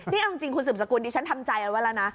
นี่เอาจริงคุณสืบสกุลดิฉันทำใจเอาไว้แล้วนะ